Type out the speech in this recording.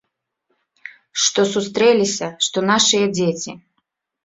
Што сустрэліся, што нашыя дзеці.